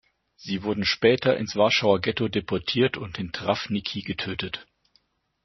Sie wurden später ins Warschauer Ghetto deportiert und in Trawniki getötet.